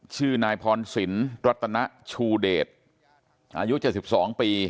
ชื่อนายพรศิลปรัตนชูเดชอายุ๗๒ปี